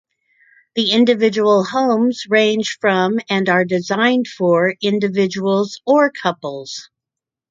The individual homes range from and are designed for individuals or couples.